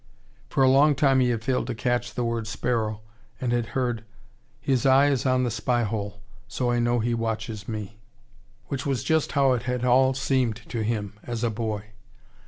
For a long time he had failed to catch the word sparrow, and had heard: His eye is on the spy hole So I know He watches me. Which was just how it had all seemed to him, as a boy.